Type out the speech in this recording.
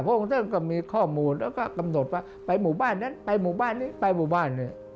องค์ท่านก็มีข้อมูลแล้วก็กำหนดว่าไปหมู่บ้านนั้นไปหมู่บ้านนี้ไปหมู่บ้านเนี่ย